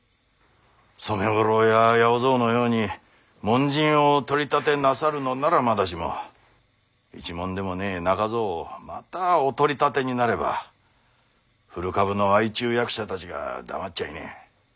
染五郎や八百蔵のように門人を取り立てなさるのならまだしも一門でもねえ中蔵をまたお取り立てになれば古株の相中役者たちが黙っちゃいねえ。